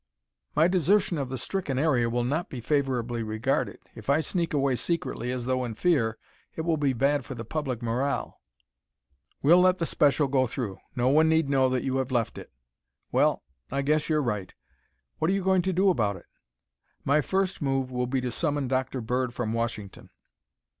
"My desertion of the stricken area will not be favorably regarded. If I sneak away secretly as though in fear, it will be bad for the public morale." "We'll let the special go through. No one need know that you have left it." "Well I guess you're right. What are you going to do about it?" "My first move will be to summon Dr. Bird from Washington."